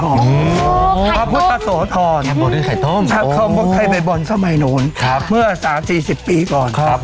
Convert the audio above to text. พระพุทธสวทรพระพุทธสวทรก็มีคนบ่นสมัยโน้นเมื่อสามสี่สิบปีก่อน